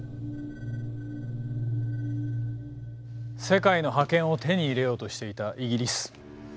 世界の覇権を手に入れようとしていたイギリス。